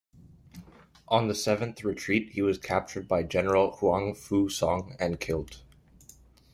On the seventh retreat he was captured by general Huangfu Song and killed.